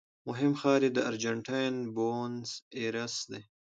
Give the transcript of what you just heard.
مهم ښار یې د ارجنټاین بونس ایرس دی.